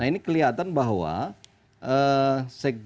nah ini kelihatan bahwa sekjen plt kita ini tidak menguasai